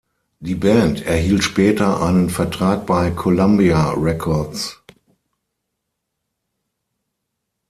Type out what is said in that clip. Die Band erhielt später einen Vertrag bei Columbia Records.